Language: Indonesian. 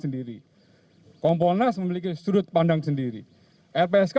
terima kasih pak